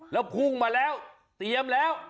แล้วพุ่งมาแล้วเตรียมแล้ว